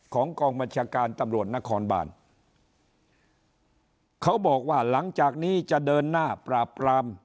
กองบัญชาการตำรวจนครบานเขาบอกว่าหลังจากนี้จะเดินหน้าปราบปราม